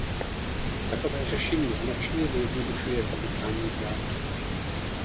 Takové řešení značně zjednodušuje zamykání v jádře.